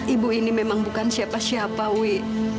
ibu ini memang bukan siapa siapa ui